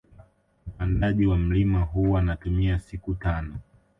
Mpandaji wa mlima huu anatumia siku tano